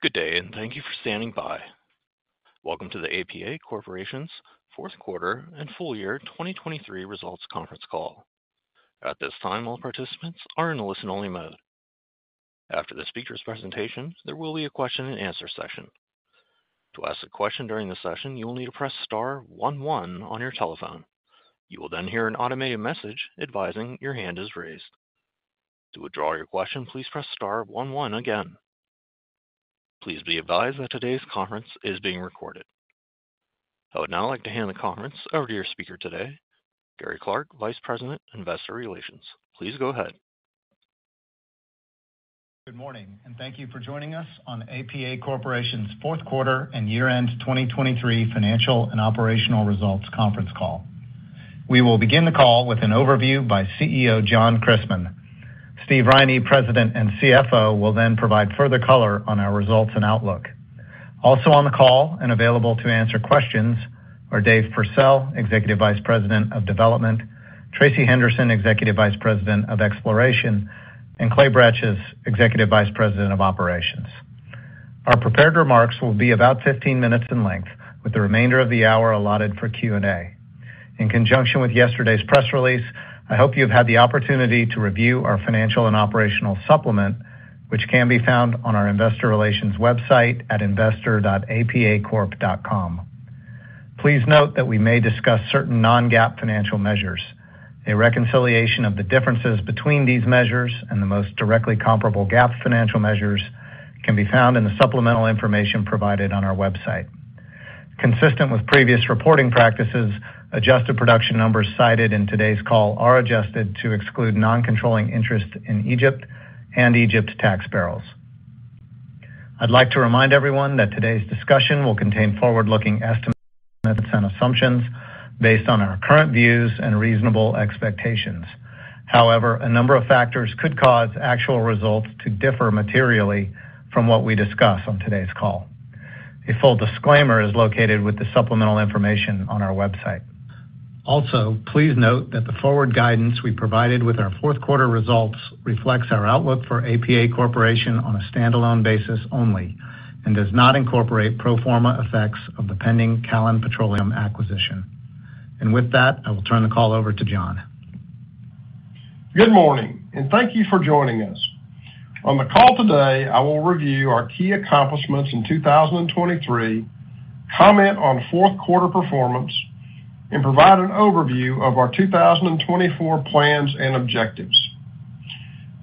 Good day and thank you for standing by. Welcome to the APA Corporation's fourth quarter and full year 2023 results conference call. At this time, all participants are in a listen-only mode. After the speaker's presentation, there will be a question-and-answer session. To ask a question during the session, you will need to press star one one on your telephone. You will then hear an automated message advising your hand is raised. To withdraw your question, please press star one one again. Please be advised that today's conference is being recorded. I would now like to hand the conference over to your speaker today, Gary Clark, Vice President, Investor Relations. Please go ahead. Good morning and thank you for joining us on APA Corporation's fourth quarter and year-end 2023 financial and operational results conference call. We will begin the call with an overview by CEO John Christmann. Steve Riney, President and CFO, will then provide further color on our results and outlook. Also on the call and available to answer questions are Dave Pursell, Executive Vice President of Development; Tracy Henderson, Executive Vice President of Exploration; and Clay Bretches, Executive Vice President of Operations. Our prepared remarks will be about 15 minutes in length, with the remainder of the hour allotted for Q&A. In conjunction with yesterday's press release, I hope you have had the opportunity to review our financial and operational supplement, which can be found on our investor relations website at investor.apacorp.com. Please note that we may discuss certain non-GAAP financial measures. A reconciliation of the differences between these measures and the most directly comparable GAAP financial measures can be found in the supplemental information provided on our website. Consistent with previous reporting practices, adjusted production numbers cited in today's call are adjusted to exclude non-controlling interest in Egypt and Egypt tax barrels. I'd like to remind everyone that today's discussion will contain forward-looking estimates and assumptions based on our current views and reasonable expectations. However, a number of factors could cause actual results to differ materially from what we discuss on today's call. A full disclaimer is located with the supplemental information on our website. Also, please note that the forward guidance we provided with our fourth quarter results reflects our outlook for APA Corporation on a standalone basis only and does not incorporate pro forma effects of the pending Callon Petroleum acquisition. With that, I will turn the call over to John. Good morning and thank you for joining us. On the call today, I will review our key accomplishments in 2023, comment on fourth quarter performance, and provide an overview of our 2024 plans and objectives.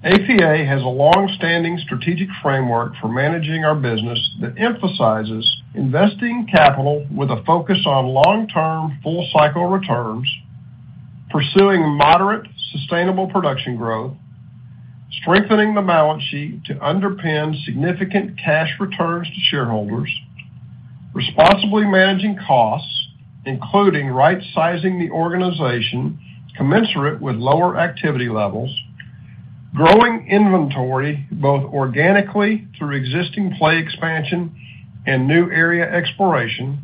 APA has a longstanding strategic framework for managing our business that emphasizes investing capital with a focus on long-term full-cycle returns, pursuing moderate sustainable production growth, strengthening the balance sheet to underpin significant cash returns to shareholders, responsibly managing costs, including right-sizing the organization commensurate with lower activity levels, growing inventory both organically through existing play expansion and new area exploration,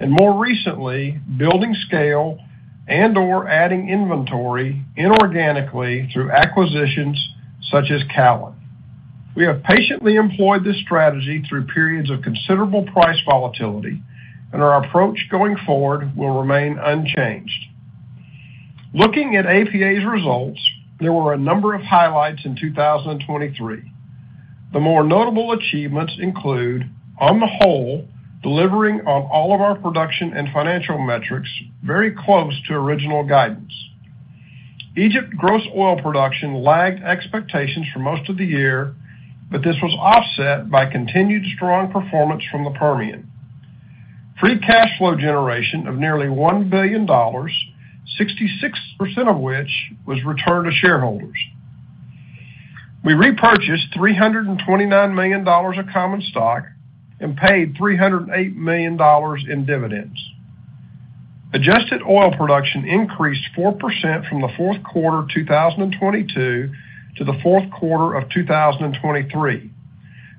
and more recently, building scale and/or adding inventory inorganically through acquisitions such as Callon. We have patiently employed this strategy through periods of considerable price volatility, and our approach going forward will remain unchanged. Looking at APA's results, there were a number of highlights in 2023. The more notable achievements include, on the whole, delivering on all of our production and financial metrics very close to original guidance. Egypt gross oil production lagged expectations for most of the year, but this was offset by continued strong performance from the Permian. Free cash flow generation of nearly $1 billion, 66% of which was returned to shareholders. We repurchased $329 million of common stock and paid $308 million in dividends. Adjusted oil production increased 4% from the fourth quarter 2022 to the fourth quarter of 2023,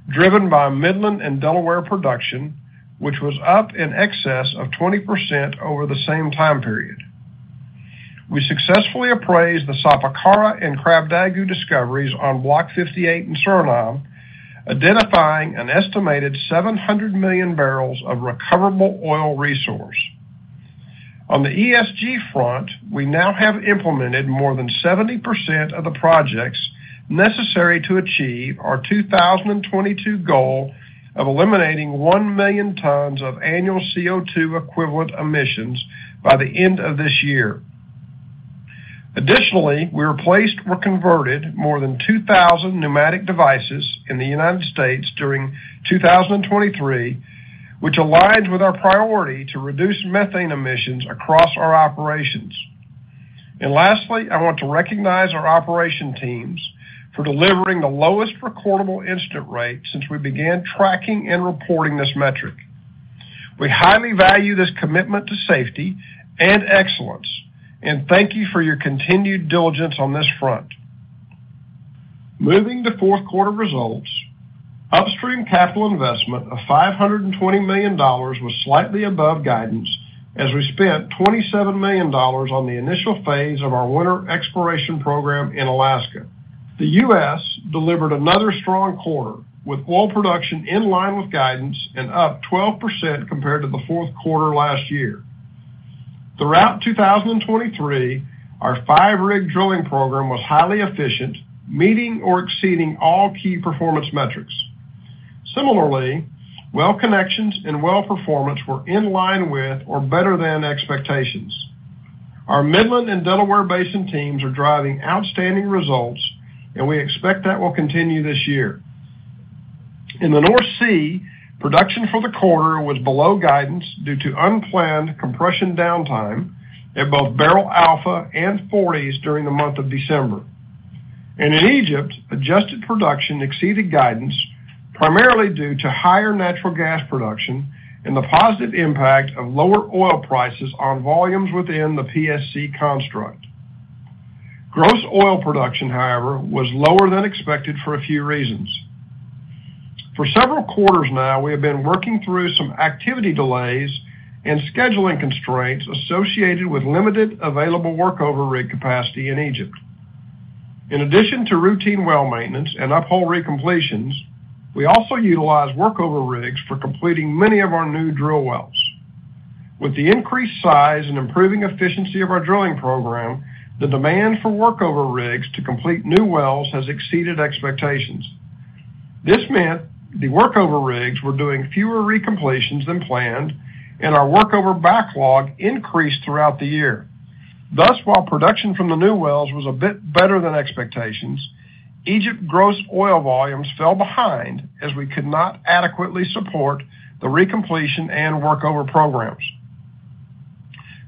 driven by Midland and Delaware production, which was up in excess of 20% over the same time period. We successfully appraised the Sapacara and Krabdagu discoveries on Block 58 in Suriname, identifying an estimated 700 million barrels of recoverable oil resource. On the ESG front, we now have implemented more than 70% of the projects necessary to achieve our 2022 goal of eliminating 1 million tons of annual CO2 equivalent emissions by the end of this year. Additionally, we replaced or converted more than 2,000 pneumatic devices in the United States during 2023, which aligns with our priority to reduce methane emissions across our operations. And lastly, I want to recognize our operation teams for delivering the lowest recordable incident rate since we began tracking and reporting this metric. We highly value this commitment to safety and excellence, and thank you for your continued diligence on this front. Moving to fourth quarter results, upstream capital investment of $520 million was slightly above guidance as we spent $27 million on the initial phase of our winter exploration program in Alaska. The US delivered another strong quarter with oil production in line with guidance and up 12% compared to the fourth quarter last year. Throughout 2023, our 5-rig drilling program was highly efficient, meeting or exceeding all key performance metrics. Similarly, well connections and well performance were in line with or better than expectations. Our Midland and Delaware Basin teams are driving outstanding results, and we expect that will continue this year. In the North Sea, production for the quarter was below guidance due to unplanned compression downtime at both Beryl Alpha and Forties during the month of December. In Egypt, adjusted production exceeded guidance primarily due to higher natural gas production and the positive impact of lower oil prices on volumes within the PSC construct. Gross oil production, however, was lower than expected for a few reasons. For several quarters now, we have been working through some activity delays and scheduling constraints associated with limited available workover rig capacity in Egypt. In addition to routine well maintenance and uphold recompletions, we also utilize workover rigs for completing many of our new drill wells. With the increased size and improving efficiency of our drilling program, the demand for workover rigs to complete new wells has exceeded expectations. This meant the workover rigs were doing fewer recompletions than planned, and our workover backlog increased throughout the year. Thus, while production from the new wells was a bit better than expectations, Egypt gross oil volumes fell behind as we could not adequately support the recompletion and workover programs.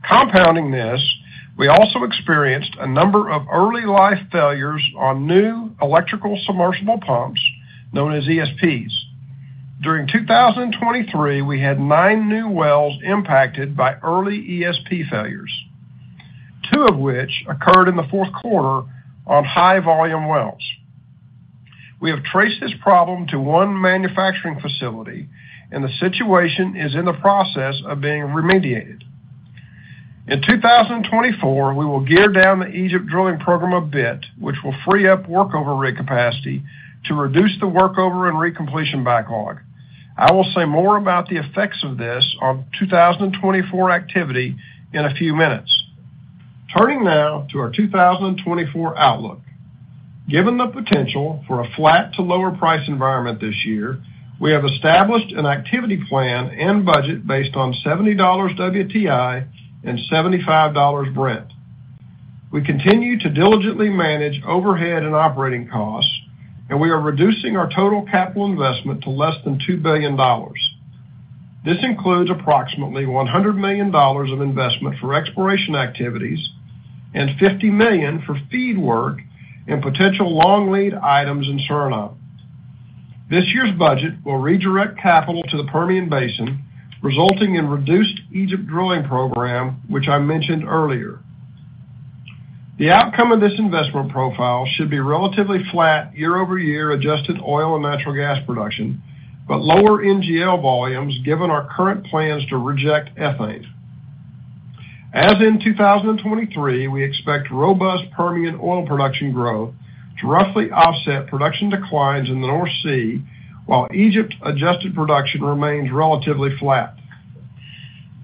Compounding this, we also experienced a number of early-life failures on new electrical submersible pumps known as ESPs. During 2023, we had nine new wells impacted by early ESP failures, two of which occurred in the fourth quarter on high-volume wells. We have traced this problem to one manufacturing facility, and the situation is in the process of being remediated. In 2024, we will gear down the Egypt drilling program a bit, which will free up workover rig capacity to reduce the workover and recompletion backlog. I will say more about the effects of this on 2024 activity in a few minutes. Turning now to our 2024 outlook. Given the potential for a flat to lower price environment this year, we have established an activity plan and budget based on $70 WTI and $75 Brent. We continue to diligently manage overhead and operating costs, and we are reducing our total capital investment to less than $2 billion. This includes approximately $100 million of investment for exploration activities and $50 million for FEED work and potential long lead items in Suriname. This year's budget will redirect capital to the Permian Basin, resulting in reduced Egypt drilling program, which I mentioned earlier. The outcome of this investment profile should be relatively flat year-over-year adjusted oil and natural gas production, but lower NGL volumes given our current plans to reject ethane. As in 2023, we expect robust Permian oil production growth to roughly offset production declines in the North Sea, while Egypt adjusted production remains relatively flat.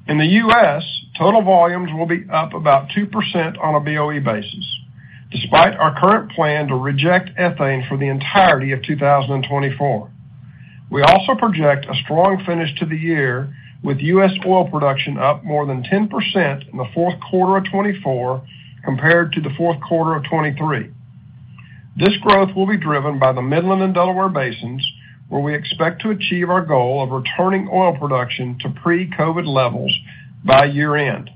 In the U.S., total volumes will be up about 2% on a BOE basis, despite our current plan to reject ethane for the entirety of 2024. We also project a strong finish to the year, with U.S. oil production up more than 10% in the fourth quarter of 2024 compared to the fourth quarter of 2023. This growth will be driven by the Midland and Delaware Basins, where we expect to achieve our goal of returning oil production to pre-COVID levels by year-end.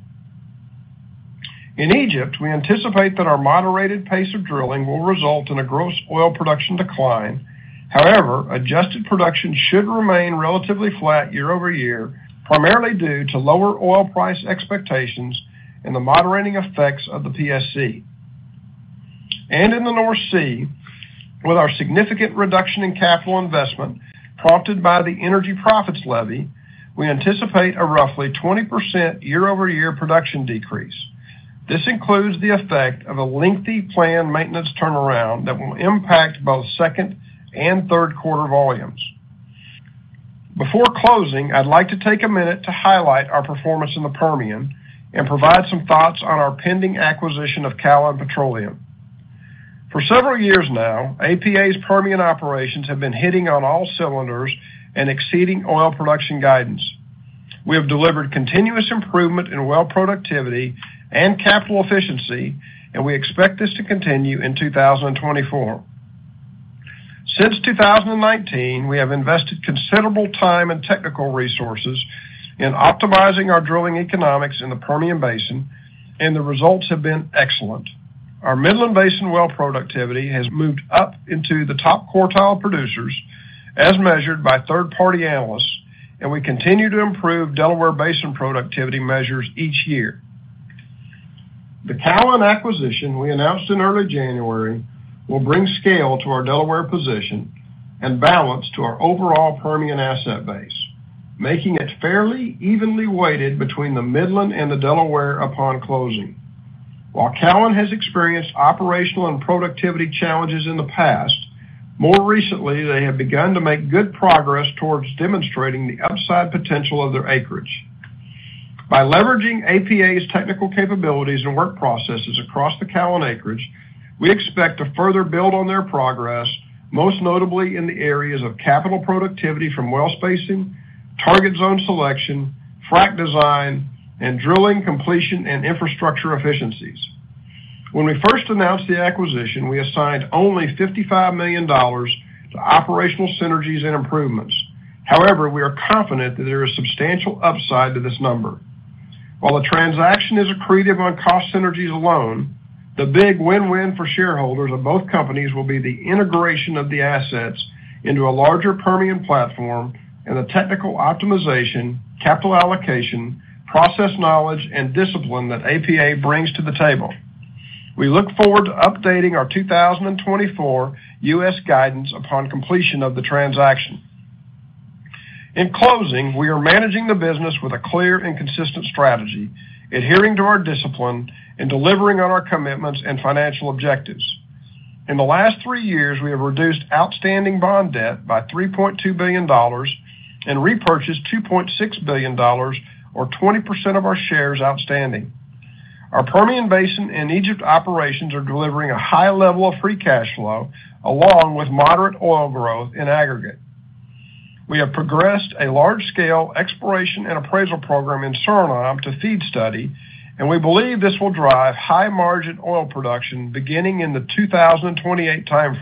In Egypt, we anticipate that our moderated pace of drilling will result in a gross oil production decline. However, adjusted production should remain relatively flat year-over-year, primarily due to lower oil price expectations and the moderating effects of the PSC. In the North Sea, with our significant reduction in capital investment prompted by the energy profits levy, we anticipate a roughly 20% year-over-year production decrease. This includes the effect of a lengthy planned maintenance turnaround that will impact both second and third quarter volumes. Before closing, I'd like to take a minute to highlight our performance in the Permian and provide some thoughts on our pending acquisition of Callon Petroleum. For several years now, APA's Permian operations have been hitting on all cylinders and exceeding oil production guidance. We have delivered continuous improvement in well productivity and capital efficiency, and we expect this to continue in 2024. Since 2019, we have invested considerable time and technical resources in optimizing our drilling economics in the Permian Basin, and the results have been excellent. Our Midland Basin well productivity has moved up into the top quartile producers as measured by third-party analysts, and we continue to improve Delaware Basin productivity measures each year. The Callon acquisition we announced in early January will bring scale to our Delaware position and balance to our overall Permian asset base, making it fairly evenly weighted between the Midland and the Delaware upon closing. While Callon has experienced operational and productivity challenges in the past, more recently they have begun to make good progress towards demonstrating the upside potential of their acreage. By leveraging APA's technical capabilities and work processes across the Callon acreage, we expect to further build on their progress, most notably in the areas of capital productivity from well spacing, target zone selection, frac design, and drilling completion and infrastructure efficiencies. When we first announced the acquisition, we assigned only $55 million to operational synergies and improvements. However, we are confident that there is substantial upside to this number. While the transaction is accretive on cost synergies alone, the big win-win for shareholders of both companies will be the integration of the assets into a larger Permian platform and the technical optimization, capital allocation, process knowledge, and discipline that APA brings to the table. We look forward to updating our 2024 U.S. guidance upon completion of the transaction. In closing, we are managing the business with a clear and consistent strategy, adhering to our discipline, and delivering on our commitments and financial objectives. In the last three years, we have reduced outstanding bond debt by $3.2 billion and repurchased $2.6 billion, or 20% of our shares outstanding. Our Permian Basin and Egypt operations are delivering a high level of free cash flow along with moderate oil growth in aggregate. We have progressed a large-scale exploration and appraisal program in Suriname to FEED study, and we believe this will drive high-margin oil production beginning in the 2028 time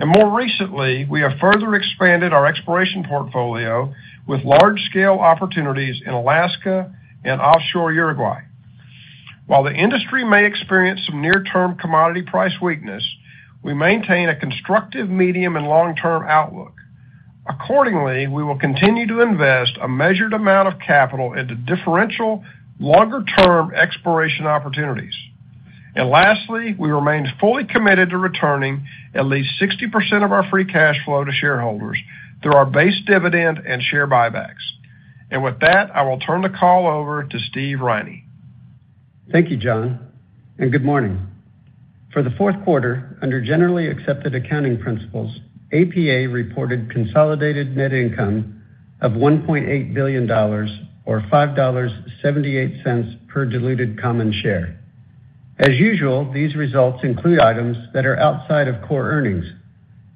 frame. More recently, we have further expanded our exploration portfolio with large-scale opportunities in Alaska and offshore Uruguay. While the industry may experience some near-term commodity price weakness, we maintain a constructive medium and long-term outlook. Accordingly, we will continue to invest a measured amount of capital into differential longer-term exploration opportunities. Lastly, we remain fully committed to returning at least 60% of our free cash flow to shareholders through our base dividend and share buybacks. With that, I will turn the call over to Steve Riney. Thank you, John, and good morning. For the fourth quarter, under generally accepted accounting principles, APA reported consolidated net income of $1.8 billion, or $5.78 per diluted common share. As usual, these results include items that are outside of core earnings,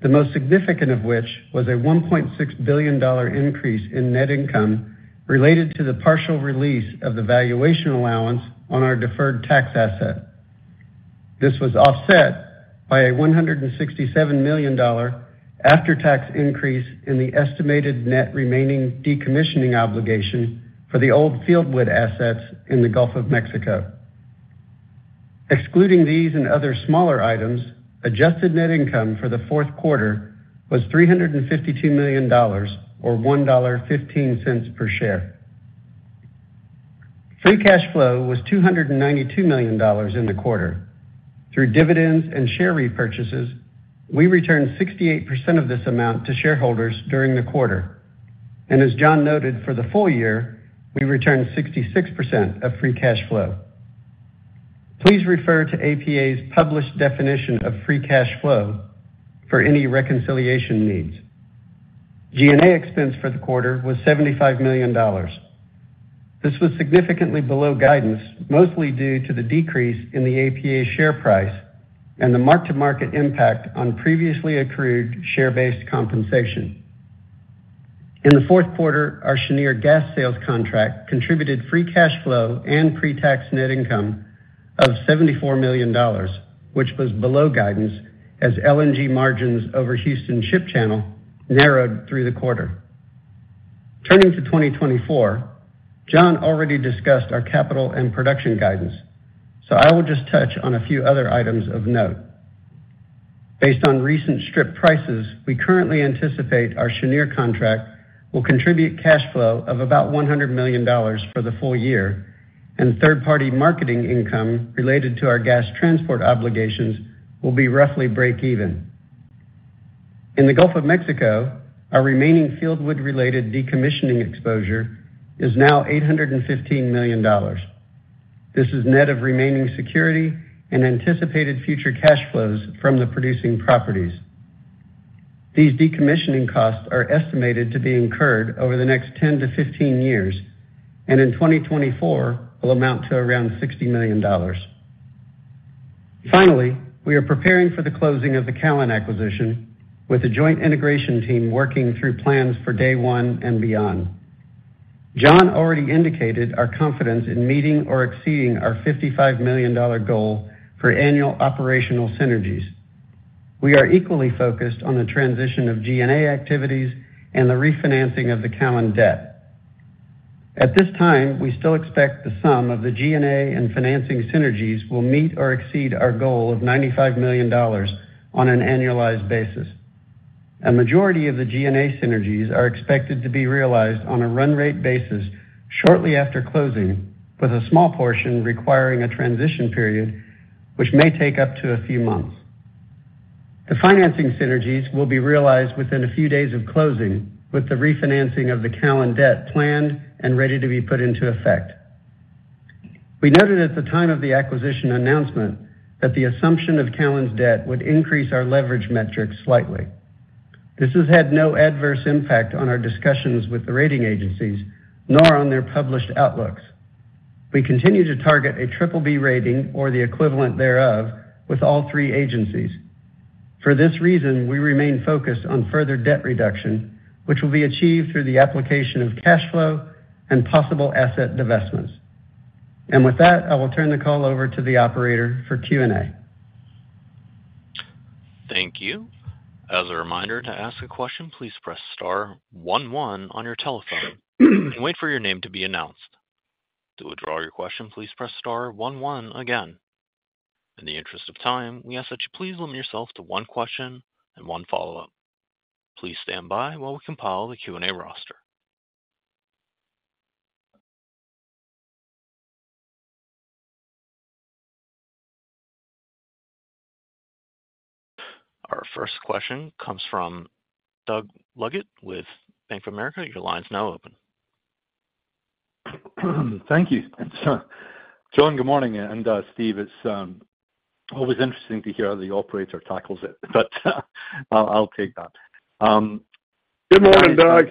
the most significant of which was a $1.6 billion increase in net income related to the partial release of the valuation allowance on our deferred tax asset. This was offset by a $167 million after-tax increase in the estimated net remaining decommissioning obligation for the old Fieldwood assets in the Gulf of Mexico. Excluding these and other smaller items, adjusted net income for the fourth quarter was $352 million, or $1.15 per share. Free cash flow was $292 million in the quarter. Through dividends and share repurchases, we returned 68% of this amount to shareholders during the quarter. And as John noted, for the full year, we returned 66% of free cash flow. Please refer to APA's published definition of free cash flow for any reconciliation needs. G&A expense for the quarter was $75 million. This was significantly below guidance, mostly due to the decrease in the APA share price and the mark-to-market impact on previously accrued share-based compensation. In the fourth quarter, our Cheniere gas sales contract contributed free cash flow and pre-tax net income of $74 million, which was below guidance as LNG margins over Houston Ship Channel narrowed through the quarter. Turning to 2024, John already discussed our capital and production guidance, so I will just touch on a few other items of note. Based on recent strip prices, we currently anticipate our Cheniere contract will contribute cash flow of about $100 million for the full year, and third-party marketing income related to our gas transport obligations will be roughly break-even. In the Gulf of Mexico, our remaining Fieldwood-related decommissioning exposure is now $815 million. This is net of remaining security and anticipated future cash flows from the producing properties. These decommissioning costs are estimated to be incurred over the next 10-15 years and in 2024 will amount to around $60 million. Finally, we are preparing for the closing of the Callon acquisition, with a joint integration team working through plans for day one and beyond. John already indicated our confidence in meeting or exceeding our $55 million goal for annual operational synergies. We are equally focused on the transition of G&A activities and the refinancing of the Callon debt. At this time, we still expect the sum of the G&A and financing synergies will meet or exceed our goal of $95 million on an annualized basis. A majority of the G&A synergies are expected to be realized on a run-rate basis shortly after closing, with a small portion requiring a transition period which may take up to a few months. The financing synergies will be realized within a few days of closing, with the refinancing of the Callon debt planned and ready to be put into effect. We noted at the time of the acquisition announcement that the assumption of Callon's debt would increase our leverage metrics slightly. This has had no adverse impact on our discussions with the rating agencies nor on their published outlooks. We continue to target a BBB rating or the equivalent thereof with all three agencies. For this reason, we remain focused on further debt reduction, which will be achieved through the application of cash flow and possible asset divestments. And with that, I will turn the call over to the operator for Q&A. Thank you. As a reminder, to ask a question, please press star one one on your telephone and wait for your name to be announced. To withdraw your question, please press star one one again. In the interest of time, we ask that you please limit yourself to one question and one follow-up. Please stand by while we compile the Q&A roster. Our first question comes from Doug Leggate with Bank of America. Your line's now open. Thank you, John. Good morning. And Steve, it's always interesting to hear how the operator tackles it, but I'll take that. Good morning, Doug.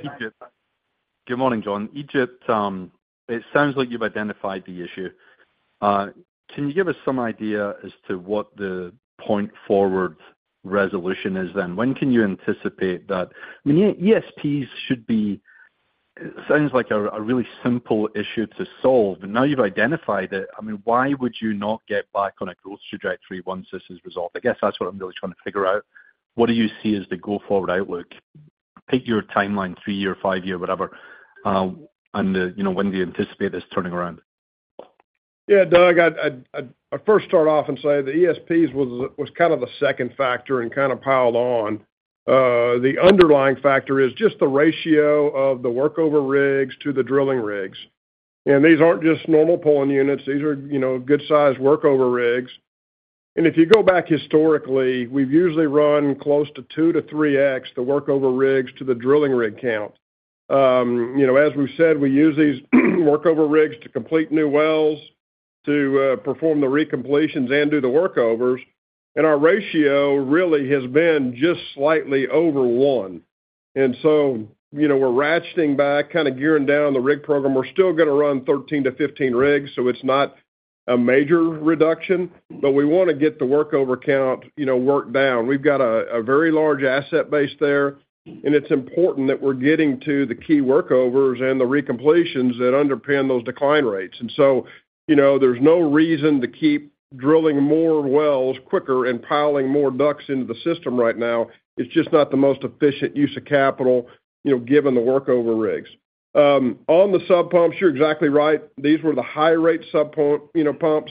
Good morning, John. Egypt, it sounds like you've identified the issue. Can you give us some idea as to what the point forward resolution is then? When can you anticipate that? I mean, ESPs should be it sounds like a really simple issue to solve, but now you've identified it. I mean, why would you not get back on a growth trajectory once this is resolved? I guess that's what I'm really trying to figure out. What do you see as the go-forward outlook? Pick your timeline, three-year, five-year, whatever, and when do you anticipate this turning around? Yeah, Doug, I'd first start off and say the ESPs was kind of the second factor and kind of piled on. The underlying factor is just the ratio of the workover rigs to the drilling rigs. And these aren't just normal pulling units. These are good-sized workover rigs. And if you go back historically, we've usually run close to 2x-3x the workover rigs to the drilling rig count. As we've said, we use these workover rigs to complete new wells, to perform the recompletions, and do the workovers. And our ratio really has been just slightly over one. And so we're ratcheting back, kind of gearing down the rig program. We're still going to run 13-15 rigs, so it's not a major reduction, but we want to get the workover count worked down. We've got a very large asset base there, and it's important that we're getting to the key workovers and the recompletions that underpin those decline rates. So there's no reason to keep drilling more wells quicker and piling more DUCs into the system right now. It's just not the most efficient use of capital given the workover rigs. On the subpumps, you're exactly right. These were the high-rate subpumps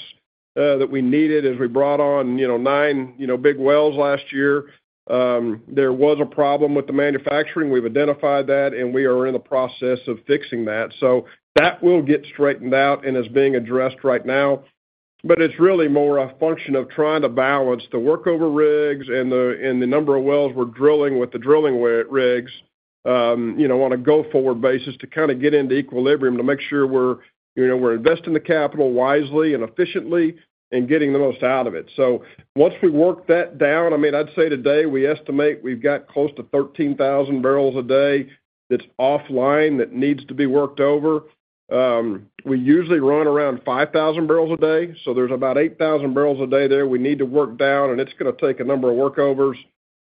that we needed as we brought on nine big wells last year. There was a problem with the manufacturing. We've identified that, and we are in the process of fixing that. So that will get straightened out and is being addressed right now. But it's really more a function of trying to balance the workover rigs and the number of wells we're drilling with the drilling rigs on a go-forward basis to kind of get into equilibrium, to make sure we're investing the capital wisely and efficiently and getting the most out of it. So once we work that down, I mean, I'd say today we estimate we've got close to 13,000 barrels a day that's offline that needs to be worked over. We usually run around 5,000 barrels a day, so there's about 8,000 barrels a day there we need to work down, and it's going to take a number of workovers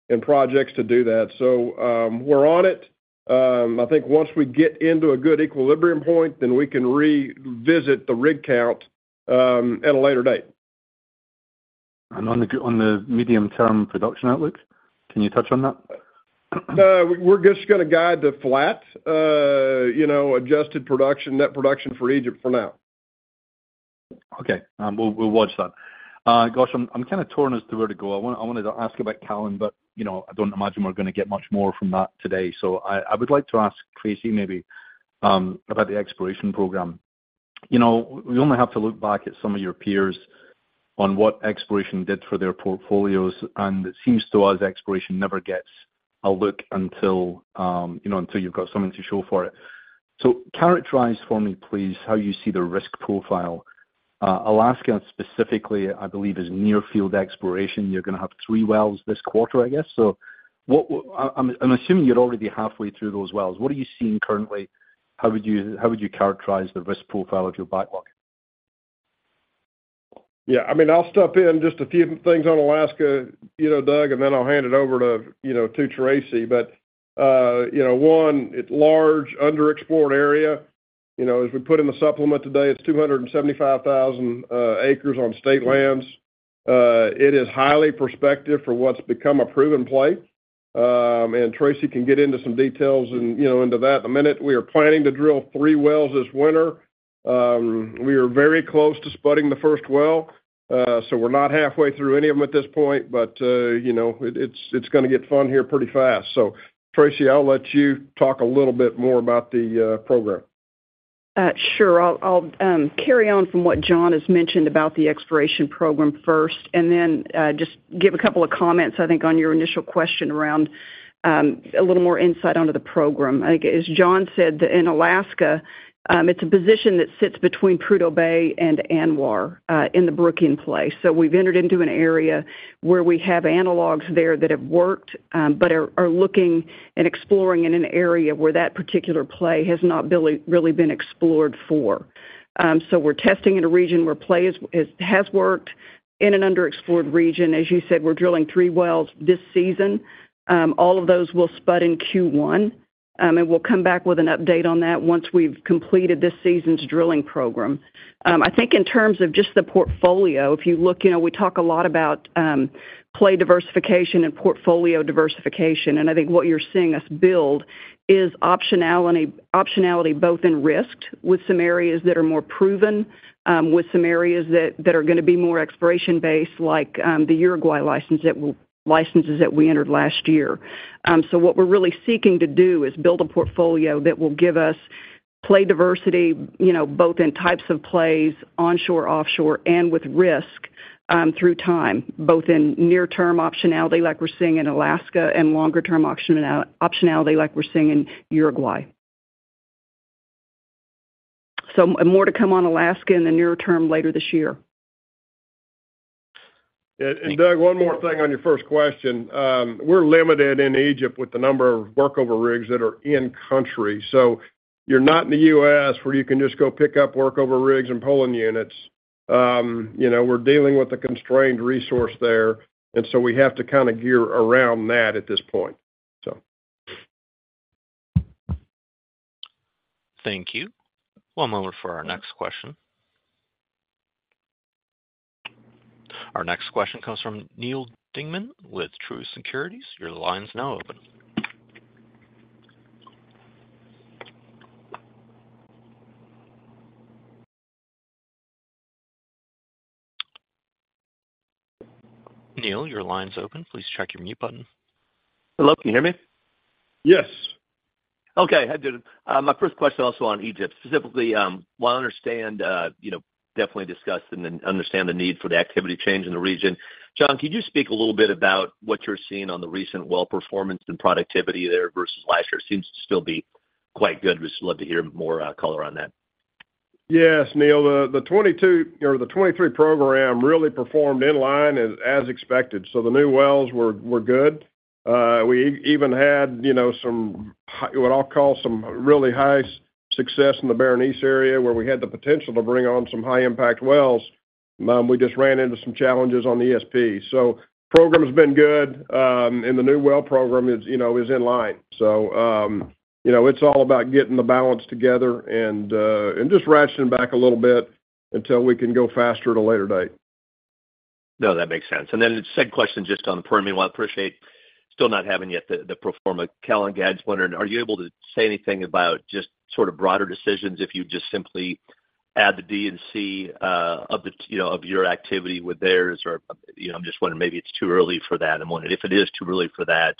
and projects to do that. So we're on it. I think once we get into a good equilibrium point, then we can revisit the rig count at a later date. And on the medium-term production outlook, can you touch on that? We're just going to guide to flat adjusted production, net production for Egypt for now. Okay. We'll watch that. Gosh, I'm kind of torn as to where to go. I wanted to ask about Callon, but I don't imagine we're going to get much more from that today. So I would like to ask Tracy maybe about the exploration program. We only have to look back at some of your peers on what exploration did for their portfolios, and it seems to us exploration never gets a look until you've got something to show for it. So characterize for me, please, how you see the risk profile. Alaska specifically, I believe, is near field exploration. You're going to have three wells this quarter, I guess. So I'm assuming you're already halfway through those wells. What are you seeing currently? How would you characterize the risk profile of your backlog? Yeah. I mean, I'll step in. Just a few things on Alaska, Doug, and then I'll hand it over to Tracy. But one, it's a large, underexplored area. As we put in the supplement today, it's 275,000 acres on state lands. It is highly prospective for what's become a proven play. And Tracy can get into some details into that in a minute. We are planning to drill three wells this winter. We are very close to spudding the first well, so we're not halfway through any of them at this point. But it's going to get fun here pretty fast. So Tracy, I'll let you talk a little bit more about the program. Sure. I'll carry on from what John has mentioned about the exploration program first and then just give a couple of comments, I think, on your initial question around a little more insight onto the program. I think, as John said, in Alaska, it's a position that sits between Prudhoe Bay and ANWR in the Brookian play. So we've entered into an area where we have analogs there that have worked but are looking and exploring in an area where that particular play has not really been explored for. So we're testing in a region where play has worked in an underexplored region. As you said, we're drilling three wells this season. All of those will spud in Q1, and we'll come back with an update on that once we've completed this season's drilling program. I think in terms of just the portfolio, if you look, we talk a lot about play diversification and portfolio diversification. And I think what you're seeing us build is optionality both in risk with some areas that are more proven, with some areas that are going to be more exploration-based, like the Uruguay licenses that we entered last year. So what we're really seeking to do is build a portfolio that will give us play diversity both in types of plays, onshore, offshore, and with risk through time, both in near-term optionality like we're seeing in Alaska and longer-term optionality like we're seeing in Uruguay. So more to come on Alaska in the near term later this year. Yeah. And Doug, one more thing on your first question. We're limited in Egypt with the number of workover rigs that are in-country. So you're not in the U.S. where you can just go pick up workover rigs and pulling units. We're dealing with a constrained resource there, and so we have to kind of gear around that at this point, so. Thank you. One moment for our next question. Our next question comes from Neal Dingmann with Truist Securities. Your line's now open. Neil, your line's open. Please check your mute button. Hello. Can you hear me? Yes. Okay. Hi, Dude. My first question also on Egypt. Specifically, while I understand definitely discussed and understand the need for the activity change in the region, John, could you speak a little bit about what you're seeing on the recent well performance and productivity there versus last year? It seems to still be quite good. We'd just love to hear more color on that. Yes, Neal. The 2022 or the 2023 program really performed in line as expected. So the new wells were good. We even had some what I'll call some really high success in the Berenice area where we had the potential to bring on some high-impact wells. We just ran into some challenges on the ESP. So the program has been good, and the new well program is in line. So it's all about getting the balance together and just ratcheting back a little bit until we can go faster at a later date. No, that makes sense. And then the second question just on the Permian, meanwhile, I appreciate still not having yet the pro forma. Callon guidance, are you able to say anything about just sort of broader decisions if you just simply add the D and C of your activity with theirs? I'm just wondering, maybe it's too early for that. And if it is too early for that,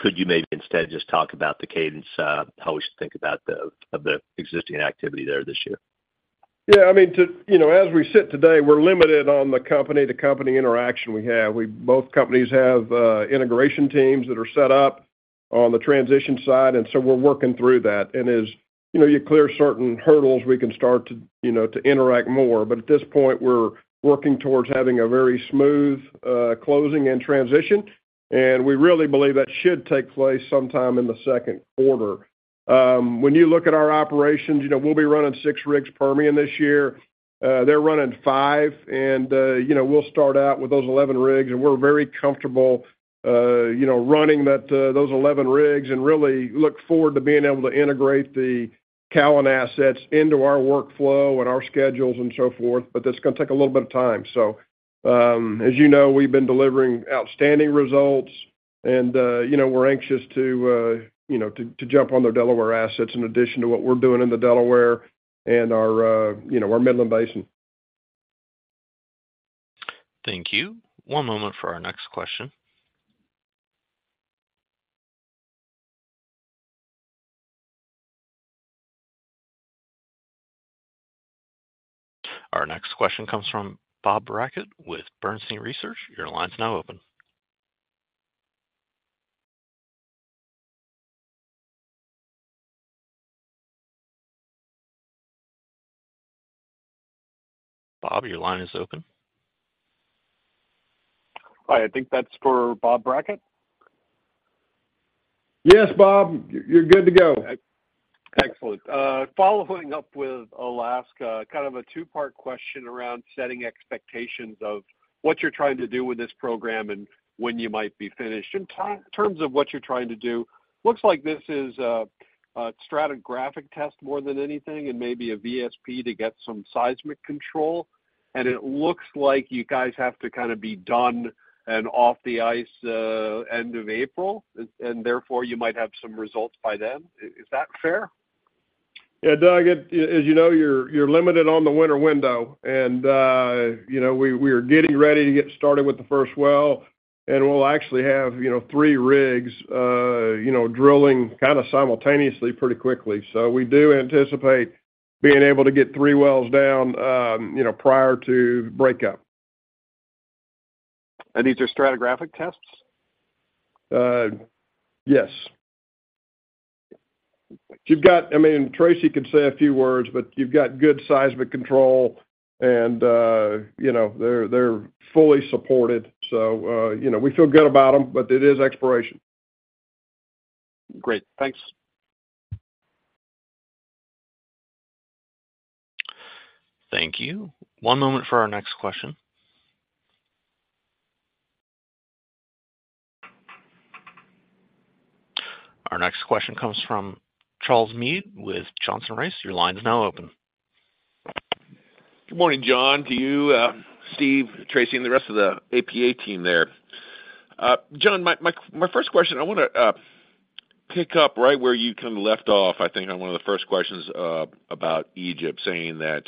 could you maybe instead just talk about the cadence, how we should think about the existing activity there this year? Yeah. I mean, as we sit today, we're limited on the company, the company interaction we have. Both companies have integration teams that are set up on the transition side, and so we're working through that. And as you clear certain hurdles, we can start to interact more. But at this point, we're working towards having a very smooth closing and transition, and we really believe that should take place sometime in the second quarter. When you look at our operations, we'll be running six rigs per million this year. They're running five, and we'll start out with those 11 rigs. We're very comfortable running those 11 rigs and really look forward to being able to integrate the Callon assets into our workflow and our schedules and so forth. But that's going to take a little bit of time. As you know, we've been delivering outstanding results, and we're anxious to jump on their Delaware assets in addition to what we're doing in the Delaware and our Midland Basin. Thank you. One moment for our next question. Our next question comes from Bob Brackett with Bernstein Research. Your line's now open. Bob, your line is open. Hi. I think that's for Bob Brackett. Yes, Bob. You're good to go. Excellent. Following up with Alaska, kind of a two-part question around setting expectations of what you're trying to do with this program and when you might be finished. In terms of what you're trying to do, it looks like this is a stratigraphic test more than anything and maybe a VSP to get some seismic control. It looks like you guys have to kind of be done and off the ice end of April, and therefore, you might have some results by then. Is that fair? Yeah, Bob. As you know, you're limited on the winter window, and we are getting ready to get started with the first well. We'll actually have three rigs drilling kind of simultaneously pretty quickly. So we do anticipate being able to get three wells down prior to breakup. These are stratigraphic tests? Yes. I mean, Tracy could say a few words, but you've got good seismic control, and they're fully supported. So we feel good about them, but it is exploration. Great. Thanks. Thank you. One moment for our next question. Our next question comes from Charles Meade with Johnson Rice. Your line's now open. Good morning, John. To you, Steve, Tracy, and the rest of the APA team there. John, my first question, I want to pick up right where you kind of left off, I think, on one of the first questions about Egypt, saying that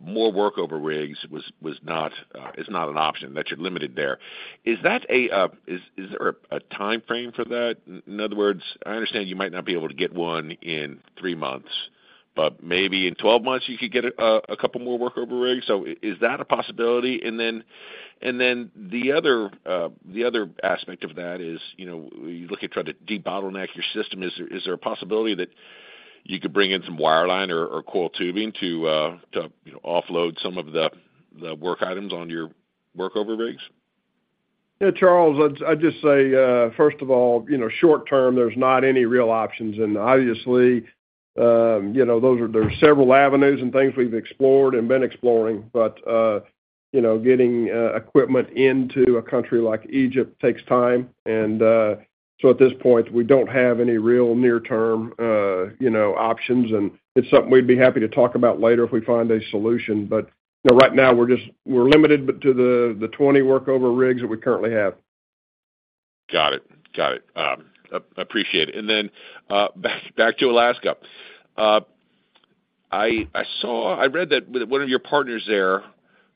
more workover rigs is not an option, that you're limited there. Is there a time frame for that? In other words, I understand you might not be able to get one in three months, but maybe in 12 months, you could get a couple more workover rigs. So is that a possibility? And then the other aspect of that is you look at trying to debottleneck your system. Is there a possibility that you could bring in some wire line or coil tubing to offload some of the work items on your workover rigs? Yeah, Charles. I'd just say, first of all, short term, there's not any real options. And obviously, there are several avenues and things we've explored and been exploring, but getting equipment into a country like Egypt takes time. And so at this point, we don't have any real near-term options. And it's something we'd be happy to talk about later if we find a solution. But right now, we're limited to the 20 workover rigs that we currently have. Got it. Got it. Appreciate it. And then back to Alaska. I read that one of your partners there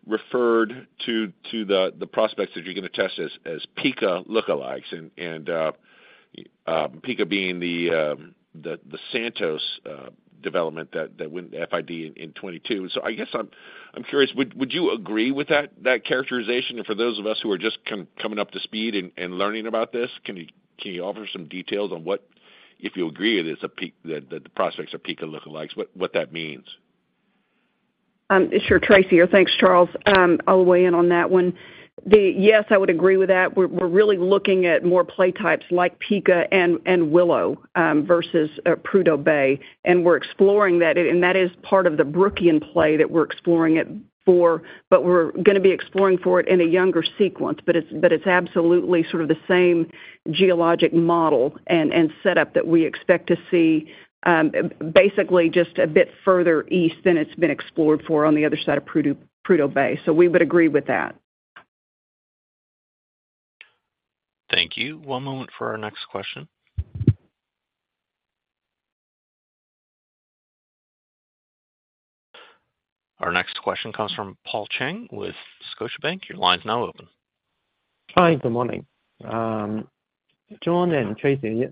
referred to the prospects that you're going to test as Pikka lookalikes, and Pikka being the Santos development that went FID in 2022. So I guess I'm curious, would you agree with that characterization? And for those of us who are just coming up to speed and learning about this, can you offer some details on what, if you agree that the prospects are Pikka lookalikes, what that means? Sure, Tracy. Thanks, Charles. I'll weigh in on that one. Yes, I would agree with that. We're really looking at more play types like Pikka and Willow versus Prudhoe Bay, and we're exploring that. That is part of the Brooklyn play that we're exploring it for, but we're going to be exploring for it in a younger sequence. But it's absolutely sort of the same geologic model and setup that we expect to see, basically, just a bit further east than it's been explored for on the other side of Prudhoe Bay. So we would agree with that. Thank you. One moment for our next question. Our next question comes from Paul Cheng with Scotiabank. Your line's now open. Hi. Good morning. John and Tracy,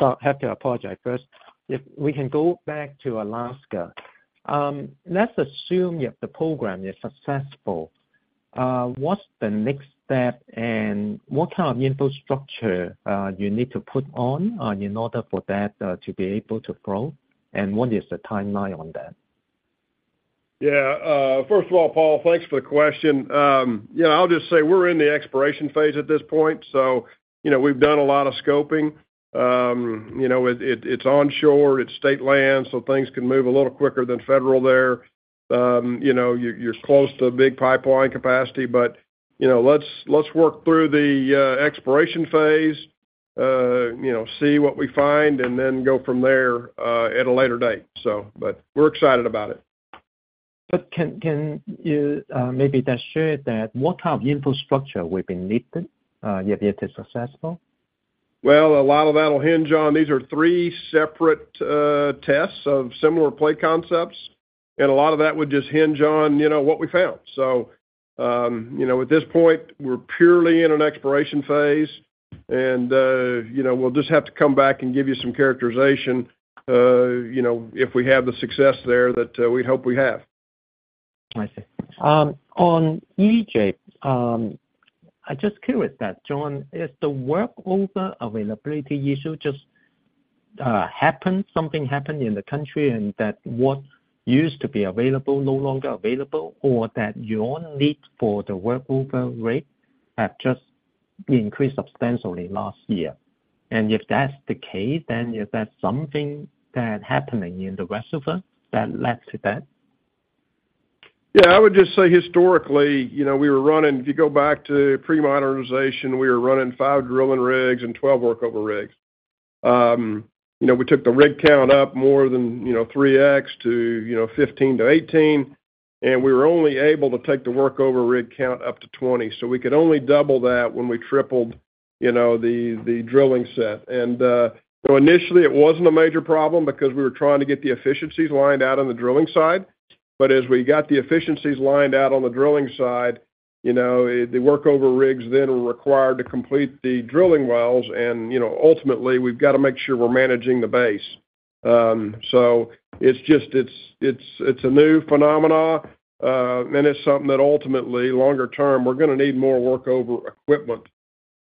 I have to apologize first. If we can go back to Alaska, let's assume the program is successful. What's the next step, and what kind of infrastructure you need to put on in order for that to be able to grow? And what is the timeline on that? Yeah. First of all, Paul, thanks for the question. I'll just say we're in the exploration phase at this point. So we've done a lot of scoping. It's onshore. It's state land, so things can move a little quicker than federal there. You're close to big pipeline capacity. But let's work through the exploration phase, see what we find, and then go from there at a later date, so. But we're excited about it. But can you maybe then share that what kind of infrastructure will be needed to be successful? Well, a lot of that will hing on. These are three separate tests of similar play concepts, and a lot of that would just hinge on what we found. So at this point, we're purely in an exploration phase, and we'll just have to come back and give you some characterization if we have the success there that we hope we have. I see. On Egypt, I'm just curious that, John, is the workover availability issue just happened? Something happened in the country and that what used to be available no longer available, or that your need for the workover rigs has just increased substantially last year? And if that's the case, then is that something that happening in the reservoir that led to that? Yeah. I would just say historically, we were running if you go back to pre-modernization, we were running five drilling rigs and 12 workover rigs. We took the rig count up more than 3x to 15-18, and we were only able to take the workover rig count up to 20. So we could only double that when we tripled the drilling set. And initially, it wasn't a major problem because we were trying to get the efficiencies lined out on the drilling side. But as we got the efficiencies lined out on the drilling side, the workover rigs then were required to complete the drilling wells. And ultimately, we've got to make sure we're managing the base. So it's a new phenomenon, and it's something that ultimately, longer term, we're going to need more workover equipment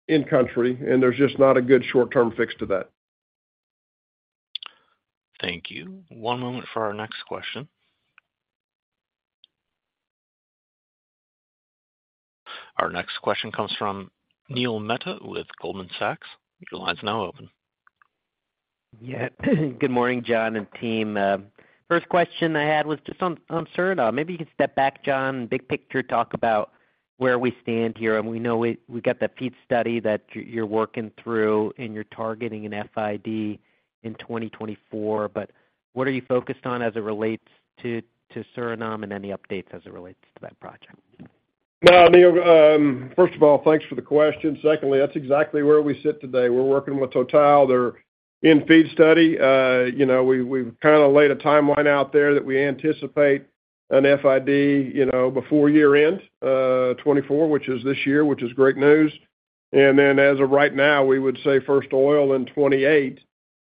in country, and there's just not a good short-term fix to that. Thank you. One moment for our next question. Our next question comes from Neil Mehta with Goldman Sachs. Your line's now open. Yeah. Good morning, John and team. First question I had was just on Suriname. Maybe you could step back, John, and big picture talk about where we stand here. We know we got that FEED study that you're working through, and you're targeting an FID in 2024. But what are you focused on as it relates to Suriname and any updates as it relates to that project? No, Neil. First of all, thanks for the question. Secondly, that's exactly where we sit today. We're working with Total. They're in FEED study. We've kind of laid a timeline out there that we anticipate an FID before year-end 2024, which is this year, which is great news. And then as of right now, we would say first oil in 2028.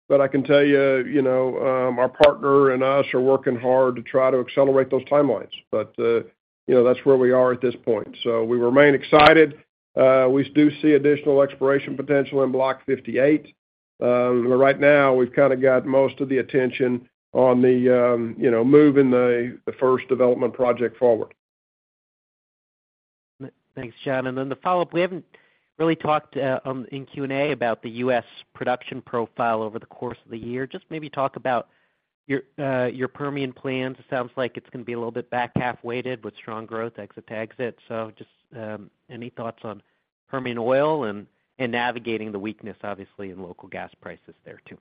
But I can tell you our partner and us are working hard to try to accelerate those timelines. But that's where we are at this point. So we remain excited. We do see additional exploration potential in block 58. But right now, we've kind of got most of the attention on moving the first development project forward. Thanks, John. And then the follow-up, we haven't really talked in Q&A about the U.S. production profile over the course of the year. Just maybe talk about your Permian plans. It sounds like it's going to be a little bit back half-weighted with strong growth exit-to-exit. So just any thoughts on Permian oil and navigating the weakness, obviously, in local gas prices there too?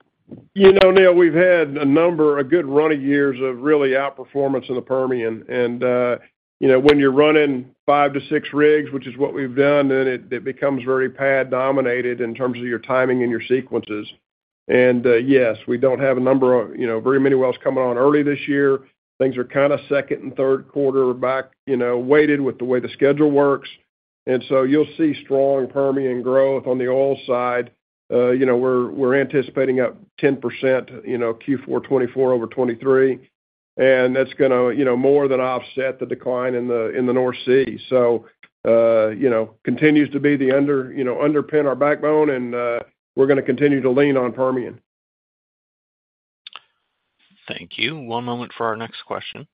You know, Neil, we've had a number, a good run of years of really outperformance in the Permian. And when you're running five to six rigs, which is what we've done, then it becomes very pad-dominated in terms of your timing and your sequences. And yes, we don't have a number of very many wells coming on early this year. Things are kind of second and third quarter weighted with the way the schedule works. And so you'll see strong Permian growth on the oil side. We're anticipating up 10% Q4 2024 over 2023, and that's going to more than offset the decline in the North Sea. So continues to be the underpin our backbone, and we're going to continue to lean on Permian. Thank you. One moment for our next question.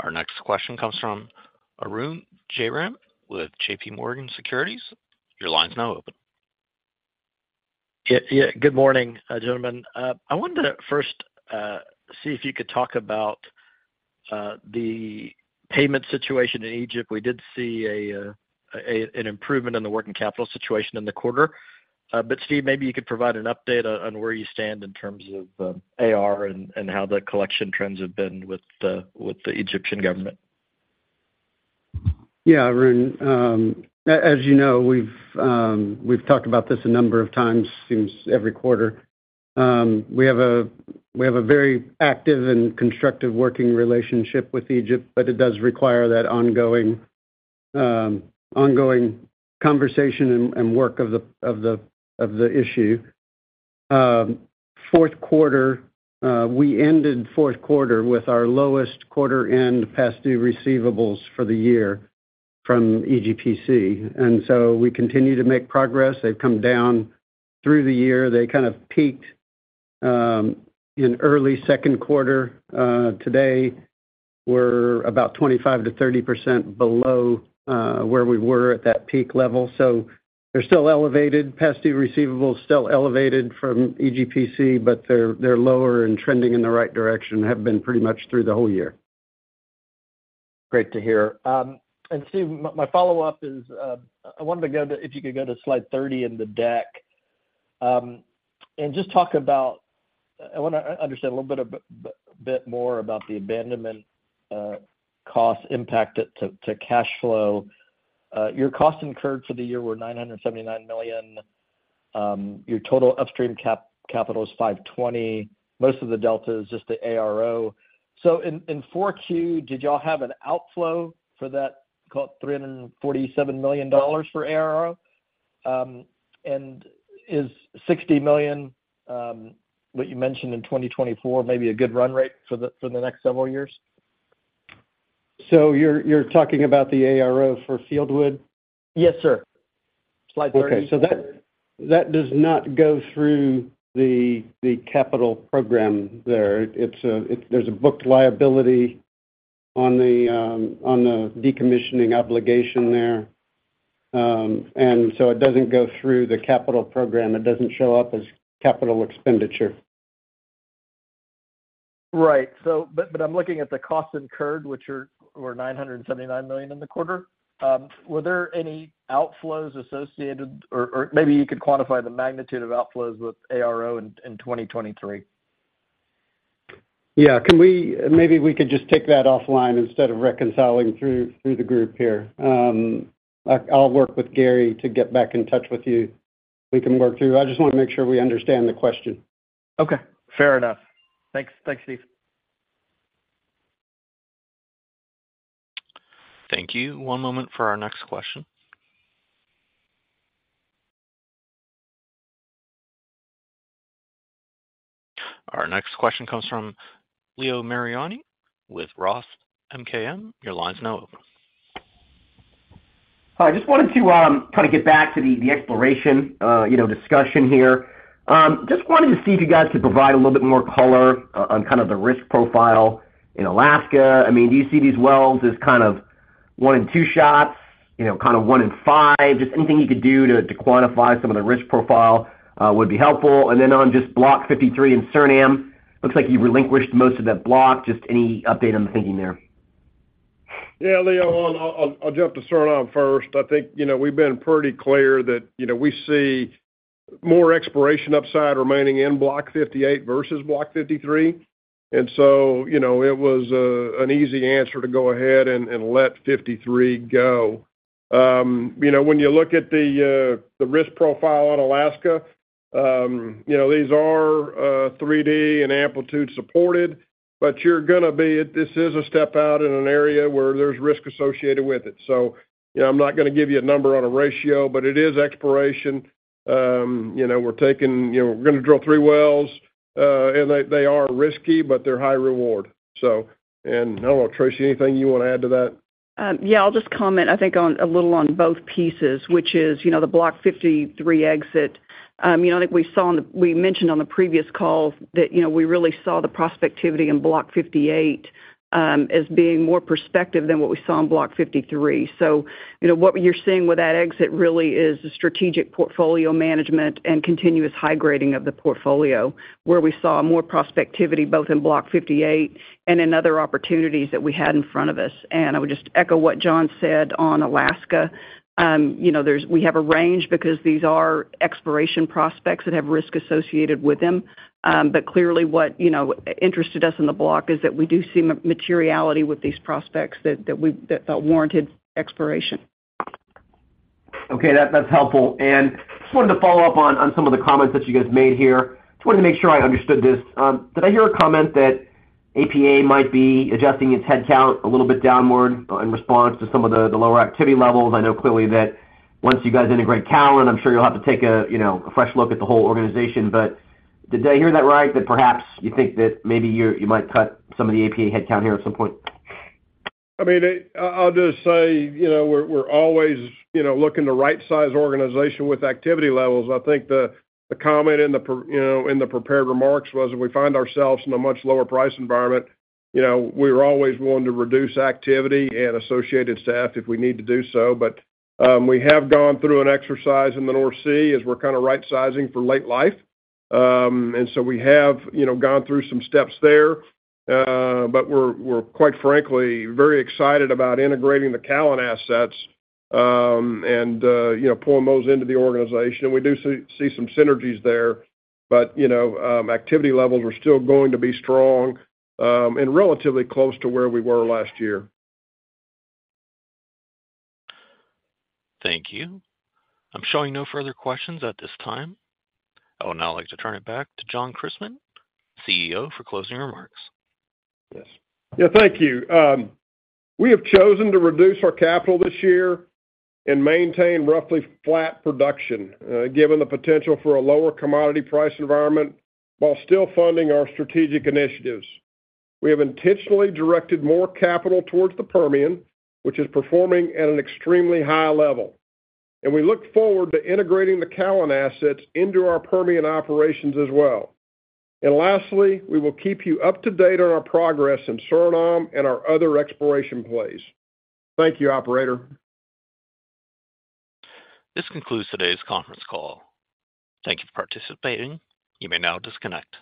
Our next question comes from Arun Jayaram with JPMorgan Securities. Your line's now open. Yeah. Good morning, gentlemen. I wanted to first see if you could talk about the payment situation in Egypt. We did see an improvement in the working capital situation in the quarter. But Steve, maybe you could provide an update on where you stand in terms of AR and how the collection trends have been with the Egyptian government. Yeah, Arun. As you know, we've talked about this a number of times, seems every quarter. We have a very active and constructive working relationship with Egypt, but it does require that ongoing conversation and work of the issue. We ended fourth quarter with our lowest quarter-end past-due receivables for the year from EGPC. And so we continue to make progress. They've come down through the year. They kind of peaked in early second quarter. Today, we're about 25%-30% below where we were at that peak level. So they're still elevated. Past-due receivables still elevated from EGPC, but they're lower and trending in the right direction and have been pretty much through the whole year. Great to hear. And Steve, my follow-up is I wanted to go to if you could go to slide 30 in the deck and just talk about I want to understand a little bit more about the abandonment cost impact to cash flow. Your cost incurred for the year were $979 million. Your total upstream capital is $520 million. Most of the delta is just the ARO. So in 4Q, did y'all have an outflow for that called $347 million for ARO? And is $60 million, what you mentioned in 2024, maybe a good run rate for the next several years? So you're talking about the ARO for Fieldwood? Yes, sir. Slide 30. Okay. So that does not go through the capital program there. There's a booked liability on the decommissioning obligation there, and so it doesn't go through the capital program. It doesn't show up as capital expenditure. Right. But I'm looking at the cost incurred, which were $979 million in the quarter. Were there any outflows associated or maybe you could quantify the magnitude of outflows with ARO in 2023? Yeah. Maybe we could just take that offline instead of reconciling through the group here. I'll work with Gary to get back in touch with you. We can work through. I just want to make sure we understand the question. Okay. Fair enough. Thanks, Steve. Thank you. One moment for our next question. Our next question comes from Leo Mariani with Roth MKM. Your line's now open. Hi. I just wanted to kind of get back to the exploration discussion here. Just wanted to see if you guys could provide a little bit more color on kind of the risk profile in Alaska. I mean, do you see these wells as kind of one and two shots, kind of one and five? Just anything you could do to quantify some of the risk profile would be helpful. And then on just block 53 in Suriname, looks like you relinquished most of that block. Just any update on the thinking there? Yeah, Leo. I'll jump to Suriname first. I think we've been pretty clear that we see more exploration upside remaining in block 58 versus block 53. And so it was an easy answer to go ahead and let 53 go. When you look at the risk profile on Alaska, these are 3D and amplitude supported, but this is a step out in an area where there's risk associated with it. So I'm not going to give you a number on a ratio, but it is exploration. We're going to drill three wells, and they are risky, but they're high reward, so. And I don't know, Tracy, anything you want to add to that? Yeah. I'll just comment, I think, a little on both pieces, which is the Block 53 exit. I think we mentioned on the previous call that we really saw the prospectivity in Block 58 as being more prospective than what we saw in Block 53. So what you're seeing with that exit really is strategic portfolio management and continuous high grading of the portfolio, where we saw more prospectivity both in block 58 and in other opportunities that we had in front of us. And I would just echo what John said on Alaska. We have a range because these are exploration prospects that have risk associated with them. But clearly, what interested us in the block is that we do see materiality with these prospects that thought warranted exploration. Okay. That's helpful. And just wanted to follow up on some of the comments that you guys made here. Just wanted to make sure I understood this. Did I hear a comment that APA might be adjusting its headcount a little bit downward in response to some of the lower activity levels? I know clearly that once you guys integrate Callon, I'm sure you'll have to take a fresh look at the whole organization. But did I hear that right, that perhaps you think that maybe you might cut some of the APA headcount here at some point? I mean, I'll just say we're always looking to right-size organization with activity levels. I think the comment in the prepared remarks was, "If we find ourselves in a much lower price environment, we are always willing to reduce activity and associated staff if we need to do so." But we have gone through an exercise in the North Sea as we're kind of right-sizing for late life. And so we have gone through some steps there. But we're, quite frankly, very excited about integrating the Callon assets and pulling those into the organization. We do see some synergies there, but activity levels are still going to be strong and relatively close to where we were last year. Thank you. I'm showing no further questions at this time. I would now like to turn it back to John Christmann, CEO, for closing remarks. Yes. Yeah. Thank you. We have chosen to reduce our capital this year and maintain roughly flat production given the potential for a lower commodity price environment while still funding our strategic initiatives. We have intentionally directed more capital towards the Permian, which is performing at an extremely high level. And we look forward to integrating the Callon assets into our Permian operations as well. And lastly, we will keep you up to date on our progress in Suriname and our other exploration plays. Thank you, operator. This concludes today's conference call. Thank you for participating. You may now disconnect.